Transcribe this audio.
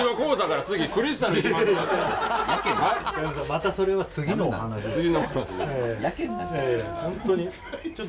またそれは次の話で。